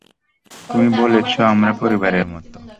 তুমি বলেছ, আমরা পরিবারের মত।